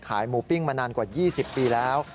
หมูปิ้งมานานกว่า๒๐ปีแล้ว